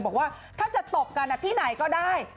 บอกว่าถ้าจะตบกันที่ไหนก็ได้